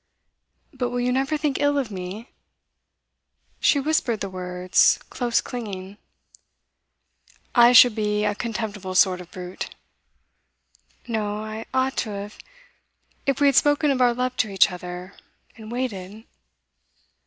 'But will you never think ill of me?' She whispered the words, close clinging. 'I should be a contemptible sort of brute.' 'No. I ought to have . If we had spoken of our love to each other, and waited.